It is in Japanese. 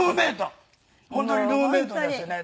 本当にルームメートですね。